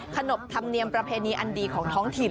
ขนบธรรมเนียมประเพณีอันดีของท้องถิ่น